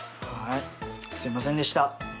はいすいませんでした。